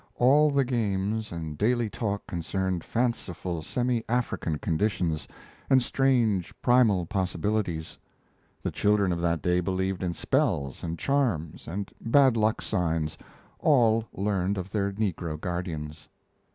All the games and daily talk concerned fanciful semi African conditions and strange primal possibilities. The children of that day believed in spells and charms and bad luck signs, all learned of their negro guardians.